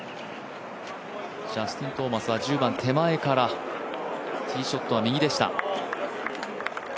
ジャスティン・トーマスは１０番手前からティーショットは右でした。